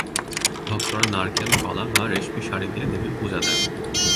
ভক্তরা নারকেল, কলা বা রেশমি শাড়ি দিয়ে দেবীর পূজা দেন।